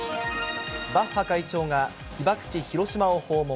バッハ会長が被爆地、広島を訪問。